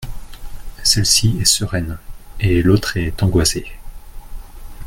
Celle-ci est sereine et l’autre est angoissé.